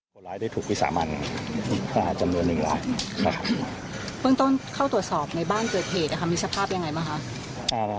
เบื้องต้นเข้าตรวจสอบในบ้านเกิดเหตุมีสภาพยังไงบ้างครับ